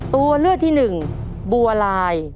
ตัวเลือกที่หนึ่งบัวลาย